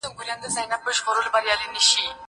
زه هره ورځ د کتابتون پاکوالی کوم؟